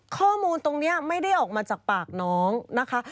ข้อมูลตรงนี้ไม่ได้ออกมาจากปากน้องนะคะ